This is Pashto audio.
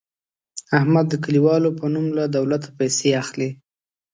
احمد د کلیوالو په نوم له دولته پیسې اخلي.